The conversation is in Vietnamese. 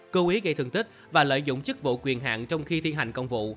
cố ý gây thương tích và lợi dụng chức vụ quyền hạn trong khi thi hành công vụ